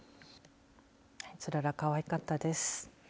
ツララ、かわいかったです。